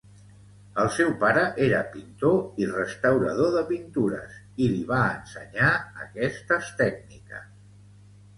El seu pare era pintor i restaurador de pintures i li va ensenyar aquestes tècniques.